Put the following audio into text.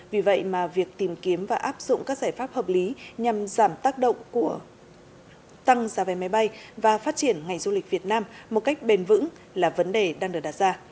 vì vậy mà việc tìm kiếm và áp dụng các giải pháp hợp lý nhằm giảm tác động của tăng giá vé máy bay và phát triển ngành du lịch việt nam một cách bền vững là vấn đề đang được đặt ra